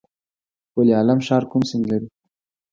پل علم ښار کوم سیند لري؟